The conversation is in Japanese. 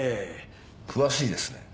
詳しいですね。